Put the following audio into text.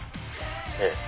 ええ。